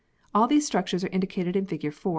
All these structures are indicated in fig. 4.